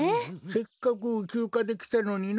せっかくきゅうかできたのにな。